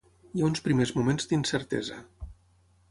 Hi ha uns primers moments d'incertesa.